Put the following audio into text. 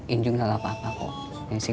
injung gak apa apa kok